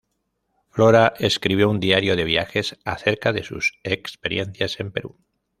Flora escribió un diario de viajes acerca de sus experiencias en Perú.